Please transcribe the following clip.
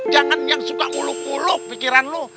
jangan yang suka uluk uluk pikiran lo